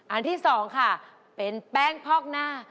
อันที่๒ค่ะเป็นแป้งพอกหน้า